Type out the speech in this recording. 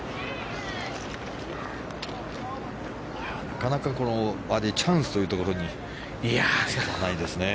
なかなかバーディーチャンスというところに行かないですね。